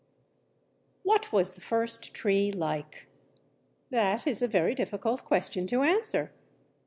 What was the first tree like? That is a very difficult question to answer.